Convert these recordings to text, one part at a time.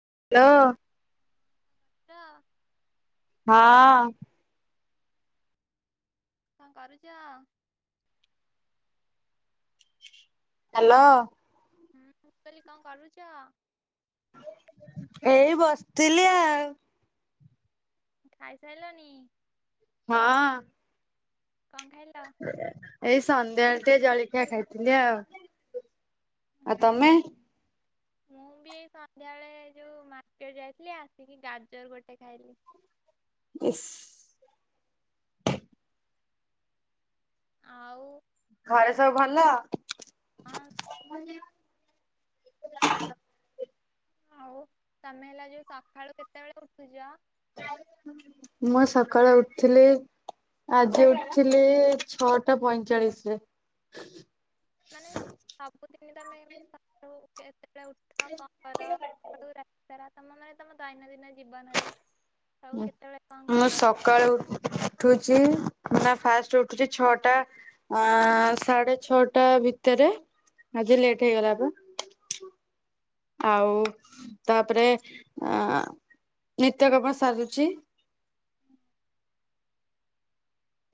[unintelligible] କଣ ହଁ। କଣ କରୁଛ? ହେଲୋ। ହୁଁ କହିଲଲି କଣ କରୁଛ? ଏଇ ବସିଥିଲି ଆଉ। ଖାଇସାରିଲନି? ହଁ। କଣ ଖାଇଲ? ଏଇ ସନ୍ଧ୍ୟାବେଳେ ଟେ ଜଳଖିଆ ଖାଇଥିଲି ଆଉ ଆଉ ତମେ? ମୁଁ ବିି। ସନ୍ଧ୍ୟାବେଳେ ଯୋଉ ମାର୍କେଟ ଯାଇଥିଲି ଆସିକି ଗାଜର ଗୋଟେ ଖାଇଲି। ଇସ୍। [inaudible] ଆଉ। ଘରେ ତମେ ସବୁ ଭଲ? ହଁ [unintelligible] ହଉ ତମେ ହେଲା ଯୋଉ ସକାଳୁ କେତେବେଳେ ଉଠୁଛ? ମୁଁ ସକାଳେ ଉଠିଥିଲି ଆଜି ଉଠିଥିଲି ଛଅଟା ପଇଁଚାଳିଶରେ। ମାନେ ସବୁଦିନ ତମେ ଯେତେବେଳେ ଉଠ କଣ କର ତମ ମାନେ ତମ ଦୈନନ୍ଦିନ ଜୀବନରେ। ସବୁ କେତେବେଳେ କଣ [unintelligible] ମୁଁ କର? ସକାଳୁଠୁ ଫାଷ୍ଟ ଉଠୁଛି ଛଅଟା ସାଢେ ଛଅଟା ଭିତରେ ଆଜି ଲେଟ୍ ହେଇଗଲା ପା। [inaudible] ଆଉ ତାପରେ ନିତ୍ୟ କ୍ରମ ସରୁଛି।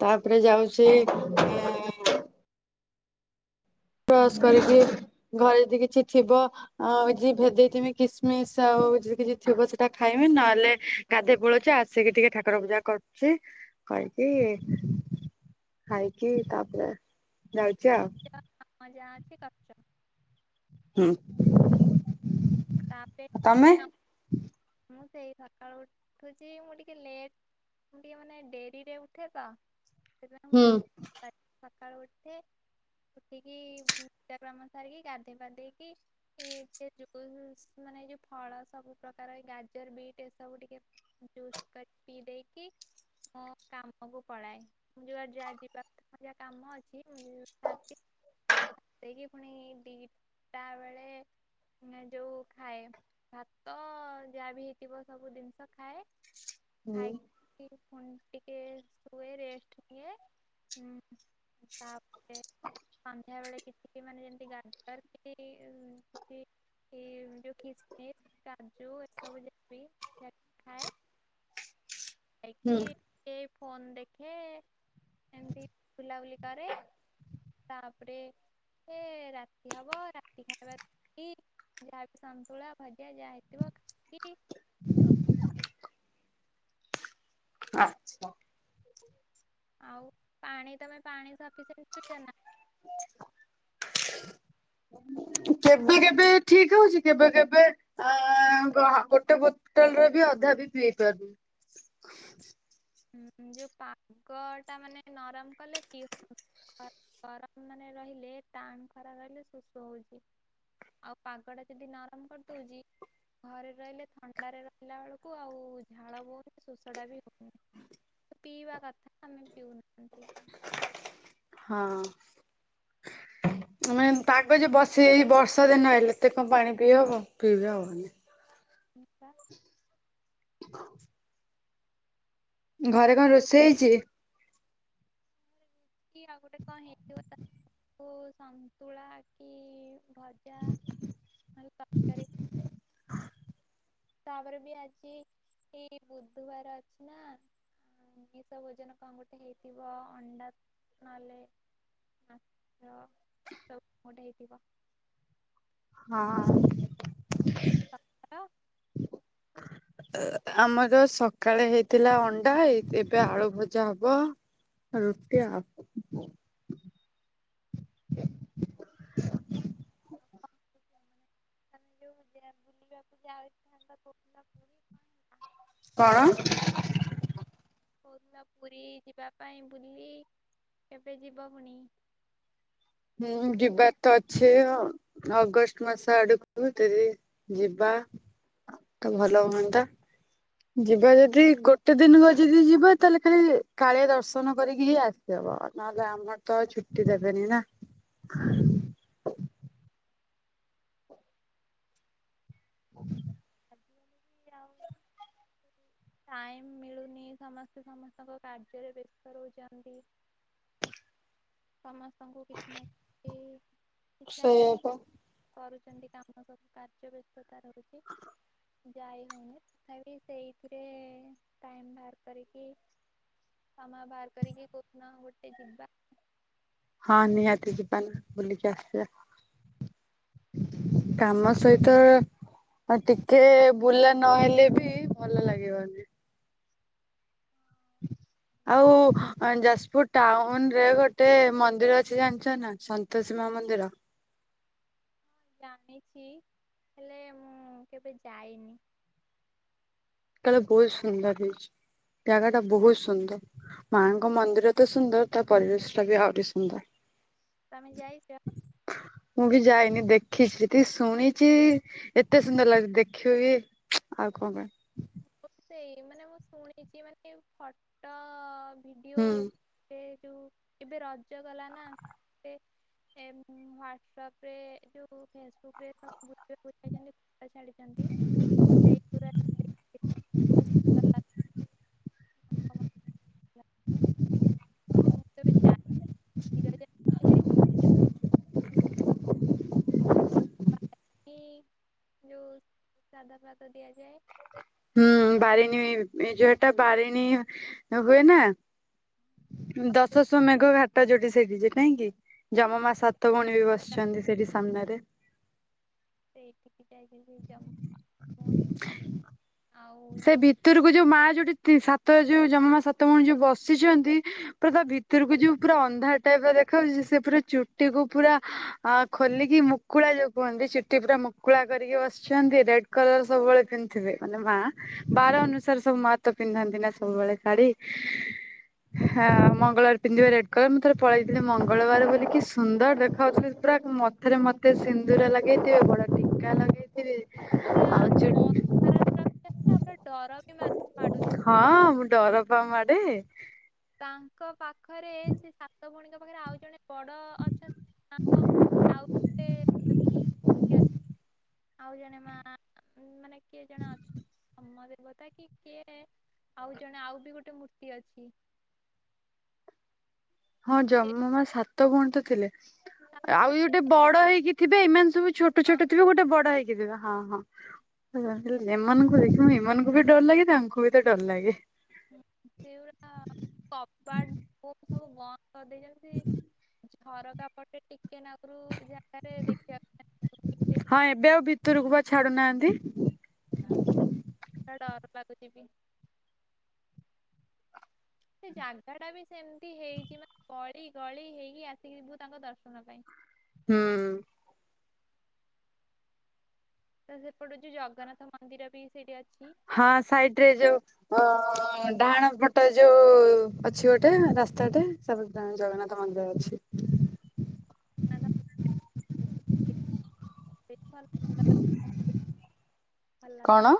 ତାପରେ ଯାଉଛି ଏ ବ୍ରସ୍ କରିକି ଘରେ ଯଦି କିଛି ଥିବ ଭେଜେଇଥବି କିସ ମିସ୍ ଆଉ ଯଦି କିଛି ଥିବ ସେଟା ଖାଇବି ନହେଲେ ଗାଧୋଇ ପୋଳୁଛି ଆସିକି ଟିକେ ଠାକୁର ପୂଜା କରୁଛି। କହିକି ଖାଇକି ତାପରେ ଖାଇକି ଯାଉଛି ଆଉ। ଯାଅ, [unintelligible] ହୁଁ। [unintelligible] ତମେ? ସକାଳୁ ଉଠୁଛି ମୁଁ ଟିକେ ଲେଟ ମୁ ଟିକେ ମାନେ ଡେରିରେ ଉଠେ ତ ସେତ ହୁଁ ବେଳେ ମୁଁ ସଖାଳୁ ଉଠେ। ଉଠିକି ପୂଜା କାମ ସାରିକି ଗାଧେଇ କାମ ସାରିକି ସେ ଯ ମାନେ ଏ ଯୋଉ ଫଳ ସବୁ ପ୍ରକାର ଗାଜର ବିଟ୍ ଏ ସବୁ ଟିକେ ଜୁସ୍ ପିଇ ଦେଇକି ମୋ କାମକୁ ପଳାଏ ଯୁଆଡେ ଯ ଜିବା କଥା ମୋର ଯ କାମ ଅଛି ସାରିକି। ଆସକି ପୁଣି ଦି ଟା ବେଳେ ଯୋଉ ଖାଏ ଭାତ ଯାହା ବି ହେଇଥିବ ସବୁ ଜିନିଷ ଖାଏ। ଖାକି ଟିକ ଶୁଏ ରେଷ୍ଟ୍ ନିଏ। ସନ୍ଧ୍ୟା ବେଳେ କିଛି ମାନେ ଯେମତି ଗାଜର କି [unintelligible] କିସମିସ କାଜୁ ଏସବୁ ଯାହା ବି ଥାଏ ତାକୁ ଖାଏ। ହୁଁ ଖାଇକୀ ଟିକେ ଫୋନ ଦେଖେ ଏମତି ବୁଲା ବୁଲି କରେ। ତାପରେ ଟିକେ ରାତି ହବ ରାତି ଖାଇବାର ଯାହା ସନ୍ତୁଳା ଭଜା ଯା ହେଇଥିବ ଖାଇକି ଆଚ୍ଛା। ଆଉ ପାଣି ତମେ ପାଣିି ସିଫିସେଣ୍ଟ ପିଉଛ ନା? [inaudible] [unintelligible] କେବେ କେବେ ଠିକ ହଉଛି। କେବେ କେବେ ଗୋଟେଏନେ ବୋତଲରେ ବି ଅଧା ତଥାପି ପି ପାରୁନି। ହୁଁ ଯୋଉ ପାଗ ଟା ମାନେ ନରମ କଲେ ପି ଗରମ ମାନେ ରହିଲେ ଟାଣ ଖରା ରହିଲେ ଶୋଷ ହୋଉଛି। ଆଉ ପାଗ ଟା ଯଦି ଆରାମ କରିଦଉଛି। ଘରେ ରହିଲେ ଥଣ୍ଡାରେ ରହିଲା ବେଳକୁ ଆଉ ଝାଳ ବହୁନି ଶୋଷ ଟା ବି ହୋଉନି। ପିଇବା କଥା ଆମେ ପିଉନ ହଁ। ଆମାନେ ପାଗଜ ବସଇ ବର୍ଷା ଦିନ ହେଲେ ଏତେ କଣ ପାଣି ପିଇ ହବ ପିଇବି ହବନି। ଘରେ କଣ ରୋଷେଇ ହେଇଛି? କି ଆଉ ଗୋଟେ କଣ ହେଇଥିବ ତା ତାକୁ ସନ୍ତୁଳା କି ଭଜା। ନ ହେଲେ ତର୍କାରି ତାପରେ ବି ଆଜି ଏଇ ବୁଧବାର ଅଛି ନା? ଆମିଷ ଭୋଜନ କଣ ଗୋଟେ ହେଇଥିବ ଅଣ୍ଡା ନହେଲେ ମାଛ ସବୁ ଗୋଟେ ହେଇଥିବ। ହଁ। ତମର ଆମର ସକାଳେ ହେଇଥିଲା ଅଣ୍ଡା ଏ ଏବେ ଆଳୁ ଭଜା ହବ। ରୁଟି ଆଉ ଆ ଆଦି ବୁଲି ବପ ଯ ଆ କ ପୁଣି କଣ? କଣ? କହୁଥିଲ ପୁରୀ ଯିବା ପାଇଁ ବୁଲି କେବେ ଯିବ ପୁଣି? ହୁଁ ଯିବା ତ ଅଛି ଅଗଷ୍ଟ ମାସ ଆଡକୁ ଯଦି ଯିବା। ତ ଭଲ ହୁଅନ୍ତା। ଯିବା ଯଦି ଗୋଟେ ଦିନ ଯଦି ଯିବା ତାହେଲେ ଖାଲି କାଳିଆ ଦର୍ଶନ କରିକି ହିଁ ଆସିବା। ନହଲେ ଆମର ତ ଛୁଟି ଦେବେନି ନା। [unintelligible] ଉ ଟାଇମ୍ ମିଳୁନି ସମସ୍ତେ ସମସ୍ତଙ୍କ କାର୍ଯ୍ୟରେ ବ୍ୟସ୍ତ ରହୁଛନ୍ତି। ସମସ୍ତଙ୍କୁ କିଛି ନା କିଛି କିଛି ନା କିଛି ସେଇଆ ପା କରୁଛନ୍ତି କାମ ସବୁ କାର୍ଯ୍ୟ ବ୍ୟସ୍ତତା ରହୁଛି। ଯାଇ ହଉନି ତଥାପି ସେଇଥିରେ ଟାଇମ ବାହାର କରିକି ସମୟ ବାହାର କରିକି କୋଉ ଦିନ ଗୋଟେ ଯିବା ହଁ ନିହାତି ଯିବା ନା ବୁଲିକି ଆସିବା କାମ ସହିତ ଆଉ ଟିକେ ବୁଲା ନହେଲେ ବି ଭଲ ଲାଗିବନି [unintelligible] ଆଉ ଯାଜପୁର ଟାଉନ ରେ ଗୋଟେ ମନ୍ଦିର ଅଛି ଜାଣିଛ ନା ସନ୍ତୋଷୀ ମା ମନ୍ଦିର [unintelligible] ଜାଣିଛି ହେଲେ ମୁଁ କେବେ ଯାଇନି କହଲେ ବହୁତ ସୁନ୍ଦର ହେଇଛି। ଜାଗା ଟା ବହୁତ ସୁନ୍ଦର ମାଙ୍କ ମନ୍ଦିର ତ ସୁନ୍ଦର ତା ପରିବେଶ ଟା ବି ଆହୁରି ସୁନ୍ଦର ତମେ ଯାଇଛ? ମୁଁ ବି ଯାଇନି ଦେଖିଛି ଯେତିକି ଶୁଣିଛି ଏତେ ସୁନ୍ଦର ଲାଗୁଛି ଦେଖିବ ବି ଆଉ କବେ ମୁଁ ସେଇ ମାନେ ମୁଁ ଶୁଣିଛି ମାନେ ଫଟୋ ଭିଡିଓ ହୁଁ। ଏତେ ଯୋଉ ଏବେ ରଜ ଗଲା ନା ସେ ହାଟସପ ରେ ଯୋଉ ଫେସବୁକ ସବୁଛନ୍ତି। ଛାଡିଛନ୍ତି ସେ ପା [inaudible] [inaudible] ଯୋଉ ସାଧା ପ୍ରାତ ଦିଆଯାଏ ଆଉ। ହଁ ବାଡ଼ିିନୀ ଏ ଯଟା ବାାରିନୀ ହୁଏନା। ଆଉ ଯୋଉ ଦଶଶହ ମେଘ ଘାାତ ଟ ଯୋଠ ସେଠି ଯେଟାଁ କି ଜମ ମା ସାତ ଭଉଣୀ ବି ବସିଛନ୍ତି ସେଠି ସାମ୍ନାରେ ସେ ଏଠି କି ଯାଇକି ସେ ଜ ମୁ ସେ ଭିତରକୁ ଯୋଉ ମାଆ ଯୋଉଠି ସାତ ଯୋଉ ଜମା ମା ସାତ ଭଉଣ ଯୋଉ ବସିଛନ୍ତି ପ୍ର ଭିତରକୁ ଯୋଉ ପୁରା ଅନ୍ଧାର ଟାଇପ ଦେଖାଯାଉଛି ସେ ପୁରା ଚୁଟିକୁୁ ପୁରା ଖୋଲିକି ମୁ ମୁକୁଳା ଯୋଉ କୁହନ୍ତି ଚିଟି ପୁରା ମୁକୁଳା କରିକି ବସିଛନ୍ତି ରେଡ କଲର ସବୁବେଳେ ପିନ୍ଧିବେ ମାନେ ମା ବାର ଅନୁସାରେ ସବୁ ମାତ ପିନ୍ଧନ୍ତି ନା ସବୁବେଳେ ଶାଢୀ ହଁ ମଙ୍ଗଳବାର ପିନ୍ଧିବ ରେଡ କଲର ମୁଁ ଥରେ ପଳେଇଥିଲି ମଙ୍ଗଳବାର ବୋିକି ସୁନ୍ଦର ଦେଖାାଯାଉ। ଗୁଡା ମଥରେ ମତେ ସିନ୍ଦୁର ଲଗେଇଥିବେ ବଡ ଟଙ୍କକା ଲଗେଇଥିବେ। ପୁରା ଆଉ ଚୁ ଭାରତ ହଁ ମୁଁ ଡର ପାଉ ମାଡେ ତାଙ୍କ ପାଖରେ ସେ ସାତ ଭଣିକା ପାଖରେ ଆଉ ଜଣେ ବଡ ଅଛନ୍ତି କଣ ଆଉ ଗ କି ଆଉ ଜଣେ ମା ମାନେ କିଏ ଜଣେ ଅଛି ସମ ବତା କି କିଏ ଆଉ ଜଣେ ଆଉ ବି ଗୋଟେ ମୂର୍ତ୍ତି ଅଛି। [inaudible] ହଁ ଜମ ମା ସାତ ଭଉଣ ତ ଥିଲେ ସାତ ଆଉ ଭଉଣୀ ଯୋଉଟେ ବଡ ହେଇକି ଥିବେ ଏଇମାନେ ସବୁ ଛୋଟ ଛୋଟ ଥିବେ ଗୋଟେ ବଡ ହେଇକି ିବ ହଁ ହଁ। ହ ହେ ଏମାନଙ୍କୁ ଦେଖିବୁ ଏମାନଙ୍କୁ ବି ଡର ଲାଗେ ତାଙ୍କୁ ବି ତ ଡର ଲାଗେ ସେଗଡା କପଟ ସବୁନ୍ଦ ସତେ ଯେମତି ଝରକା ପଟେ ଟିକେ। କେନାକରୁ ଜାଗାତଟେ ଦେଖିବା। ହୁଁ। ହଁ। ଡର ଲାଗୁଯିବି। ସେ ଜାଗା ଟା ବି ସେମିତି ହେଇଛି ମାନେ ଗଳି ଗଳି ହେଇକି ଆସିବୁ ତାଙ୍କ ଦର୍ଶନ ପାଇଁ। ହୁଁ। ତ ସେ ପଡୁଛି ଜଗନ୍ନାଥ ମନ୍ଦିରବି ସେଇଠୀ ଅଛି। ହଁ ସାଇଡରେ ଯୋଉ ଅ- ଡାହାଣ ପଟ ଯୋଉ ଅଛି ଗୋଟେ ରାସ୍ତାଟେ ଜଗନ୍ନାଥ ମନ୍ଦିର ଅଛି। [inaudible] [unintelligible] ଭଲ ଲାଗୁଛି କଣ?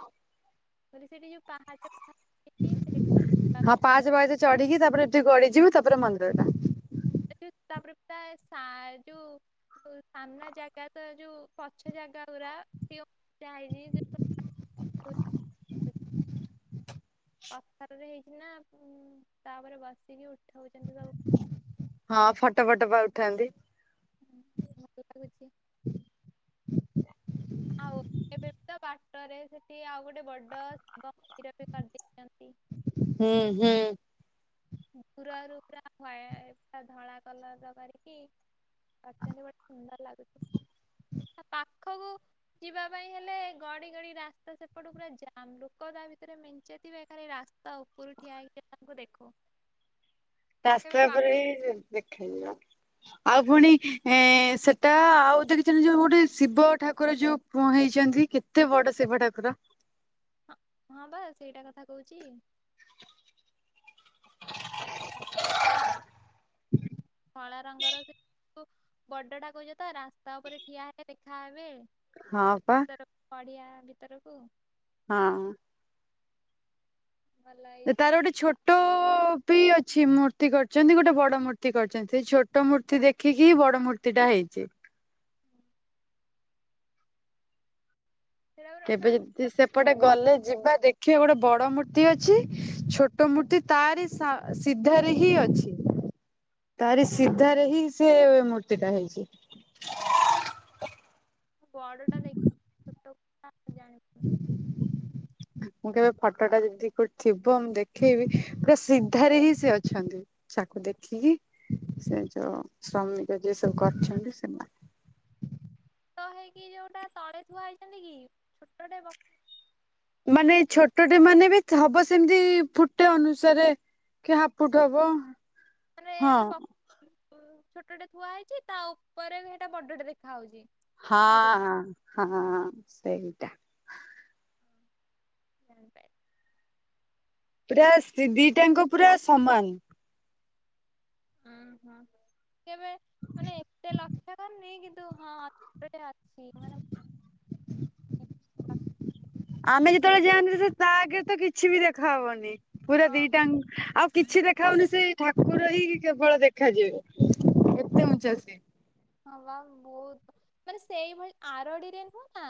ବୋଲି ସେଠି ଯୋଉ ପାହାଚ- ପାହାଚ ହେଇଛି ହଁ ପାଞ୍ଚ ବାଜେ ଚଢିକି ତାପରେ ଏଠି ଗଡିଯିବୁ ତାପରେ ମନ୍ଦିର ଟା। ତାପରେ ପ୍ରାୟ ସାଜୁ। ସାମ୍ନା ଜାଗାତ ଯୋଉ ପଛ ଜାଗା ପୁରା [unintelligible] [inaudible] ପଥରରେ ହେଇଛି ନା ତାପରେ ବସିକି ଉଠଉଛନ୍ତି ସବୁ। ହଁ ଫଟୋ ଫଟୋ ପା ଉଠାନ୍ତି। ଭଲ ଲାଗୁଛି ଆଉ ଏବେବି ତ ବାଟରେ ସେଠି ଆଉ ଗୋଟେ ବଡ ଶିବ ମନ୍ଦିର ବି କରିଦେଇଛନ୍ତି। ହୁଁ ହୁଁ। ଦୁରରୁ ପୁରା ହ୍ୱାଇଟ ପୁରା ଧଳା କଲର କରିକି। [unintelligible] ସୁନ୍ଦର ଲାଗୁଛି। ପାଖକୁ। ଯିବା ପାଇଁ ହେଲେ ଗଡି ଗଡି ରାସ୍ତା ସେପଟ ପୁରା ଜାମ୍। ଲୋକ ତା ଭିତରେ ମେଞ୍ଚେଥିବେ ଖାଲି ରାସ- ତା ଉପରୁ ଠିଆ ହେଇକି ତାଙ୍କୁ ଦେଖୁ। କେବେ ରାସ୍ତା ପା ଉପରେ ହି ସେମିତି ଦେଖି ହେଇ ଯିବ। ଆଉ ପୁଣି ଏ ସେଟା ଆଉ ଦେଖିଛନ୍ତି ଯୋଉ ଗୋଟେ ଶିବ ଠାକୁର ଯୋଉ। ହେଇଛନ୍ତି କେତେ ବଡ ଶିବ ଠାକୁର। ହଁ ବା ସେଇଟା କଥା କହୁଛି। କଳା ରଙ୍ଗର ସେ ବଡ ଟା କହୁଛ ତ ରାସ୍ତା ଉପରେ ଠିଆ ହେଲେ ଦେଖାହେବେ। ହଁ ପା ଭିତରକୁ ପଡିଆ ଭିତରକୁ। ହଁ। ଭଲ ହେଇଛି ତାର ଗୋଟେ ଛୋଟ- ବି ଅଛି ମୂର୍ତ୍ତି କରିଛନ୍ତି ଗୋଟେ ବଡ ମୂର୍ତ୍ତି କରିଛନ୍ତି। ଛୋଟ ମୂର୍ତ୍ତି ଦେଖିକି ହି ବଡ ମୂର୍ତ୍ତି- ସେଟା ହେଇଛି। ସେଟା ପୁରା କେବେ ଯଦି ସେପଟେ ଗଲେ ଯିବା ଦେଖି। ଖିଆ ଗୋଟେ ବଡ ମୂର୍ତ୍ତି ଅଛି। ଛୋଟ ମୂର୍ତ୍ତି ତାରି ସା ସିଧାରେ ହିଁ ଅଛି। ତାରି ସିଧାରେ ହିଁ ସେ ମୂର୍ତ୍ତିଟା ହେଇଚି। ବଡଟା ଦେଖି ଛୋଟଟା ଜାଣି [inaudible] ମୁଁ କେବେ ଫଟଟା ଯଦି କୋଉଠି ଥିବ। ମୁଁ ଦେଖେଇବି ପୁରା ସିଧାରେ ହିଁ ସେ ଅଛନ୍ତି। ଚାକୁ [unintelligible] ଦେଖିକି ସେ ଯୋଉ ଶ୍ରମିକ ଯିଏ ସବୁ କରିଛନ୍ତି ସେମାନେ। [inaudible] [unintelligible] ହେଇକି ଯୋଉଟା ତଳେ ଥୁଆ ହେଇଚନ୍ତି କି ଛୋଟଟେ ବ ମାନେ ଛୋଟଟେ ମାନେ ବି ହବ ସେମିତି ଫୁଟେ ଅନୁସାରେ କି ହାପ୍ ଫୁଟ ହବ। ମାନେ ହଁ ଏମିତି [unintelligible] ଛୋଟଟେ ଥୁଆ ହେଇଚି ତା ଉପରେ ବି ହେଟା ବଡଟେ ଦେଖା ହୋଉଚି। ହଁ ହଁ ସେଇଟା। ଜାଣି ପାଇ ପୁରା ସେ ଦିଟାଙ୍କ ପୁରା ସମାନ। ହୁଁ ହୁଁ କେବେ ମାନେ ଏତେ ଲା। [unintelligible] ନେଇ କିନ୍ତୁ ହଁ ଗୋଟେ ଅଛି ମାନେ [unintelligible] ଆମେ ଯେତେବେଳେ ଯାଆନ୍ତି ସେ ତା ଆଗରେ ତ କିଛି ବି ଦେଖାହବନି ପୁରା ହଁ ଦିଟାଙ୍କୁ ଆଉ କିଛି ଦେଖା ହଉନି ସେଇ ଠାକୁର ହିଁ କେବଳ ଦେଖାଯିବେ ଏତେ ଉଞ୍ଚା ସିଏ। ହ ବହୁତ ମାନେ ସେଇଭଳି ଆରଡିରେ ନୁହଁ ନା।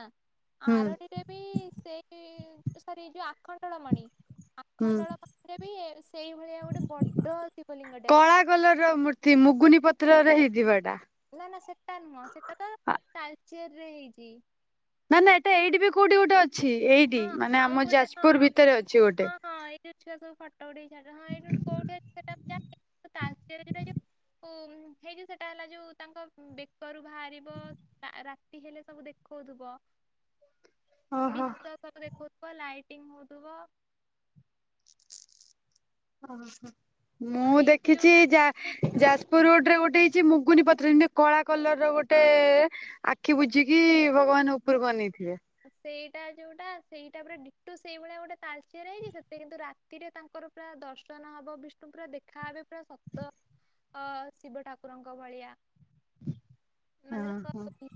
ହୁଁ ଆରଡିରେ ବି ସେଇ ସରି ଯୋଉ ଆଖଣ୍ଡଳମଣି। ହୁଁ ଆଖଣ୍ଡଳମଣିରେ ବି ସେଇଭଳିଆ ଗୋଟେ ବଡ ଶିବଲିଙ୍ଗଟେ ଅଛି। ମୁୁଗୁନି ପଥରରେ ହେଇ ନା ନା ସେଟା ନୁହଁ ସେଟା ତାଳଚେରରେ ହେଇଛି। ନା ନା ଏଟା ଏଇଠି ବି କୋଉଠି ଗୋଟେ ଅଛି ଏଇଠି ହଁ ମାନେ ଆଉ ଆମ ଗୋଟେ ହଁ ଯାଜପୁର ଭିତରେ ଅଛି ଗୋଟେ। ହଁ ହଁ ଏଇ ଯୋଉ ଛୁଆ ସବୁ ଫଟୋ ଉଠେଇକି ଚାଡୁଛନ୍ତି ହଁ ଏଇଠୁ କୋଉଠି ଅଛି ସେଟା ତ ମୁଁ ଜାଣିନି କିନ୍ତୁ ତାଳଚେରରେ ହୁଁ ହେଇ ଯୋଉ ସେଟା ହେଲା ଯୋଉ ତାଙ୍କ ବେକରୁ ବାହାରିବ ତା ରା। ହେଲେ ସବୁ ଦେଖଉଥିବ ଓହୋ। [unintelligible] ଦେଖୋଉଥିବ ଲାଇଟିଙ୍ଗ ହଉଥିବ ଅ ହ ମୁଁ ଆଉ ଏଇଠି ଦେଖିଛି ଯୋଉଟା ଯା ଯାଜପୁର ରୋଡରେ ଗୋଟେ ମୁଗୁନି ପଥରରେ ଯେମିତି କଳା କଲର ର ଗୋଟେ ଆଖି ବୁଝିକି ଭଗବାନ ଉପରକୁ ଅନେଇ [unintelligible] ହଁ ସେଇଟା ଯୋଉଟା ସେଇଟା ପୁରା ଡିଟୋ ସେଇ ଭଳିଆ ଗୋଟେ ତାଳଚେରରେ ହେଇଛି ସେଥିରେ କିନ୍ତୁ ରାତିରେ ତାଙ୍କର ପୁରା ଦର୍ଶନ ହବ ବିଷ୍ଣୁ ପୁରା ଦେଖାହେବେ ପୁରା ସତ ଅ ଶିବ ଠାକୁରଙ୍କ ଭଳିଆ ହଁ ମାନେ ହଁ। ତାଙ୍କ [unintelligible]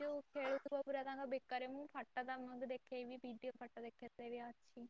ଯୋଉ ଖେଳୁଥିବ ପୁରା ତାଙ୍କ ବେ କରେ ମୁଁ ଫଟୋ ତମକୁ ଦେଖେଇବି ଭିଡିଓ ଫଟୋ ଦେଖେଇବି ସେଥିରେ ବି ଅଛି।